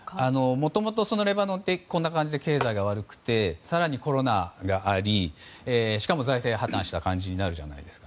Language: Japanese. もともとレバノンってこんな感じで経済が悪くて更にコロナがありしかも財政破綻した感じになるじゃないですか。